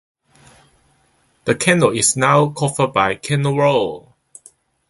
The canal is now covered by Canal Road.